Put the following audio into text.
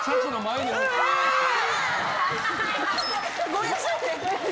ごめんなさいね！